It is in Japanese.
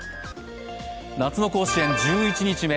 夏の甲子園１１日目。